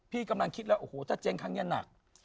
พี่กำลังคิดแล้วถ้าเจ๊งครั้งนี้หนัก